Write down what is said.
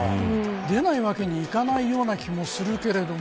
出ないわけにいかないような気もしますけど。